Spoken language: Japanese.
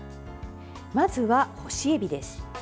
まずは干しエビです。